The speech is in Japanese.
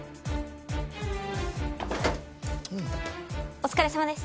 お疲れさまです。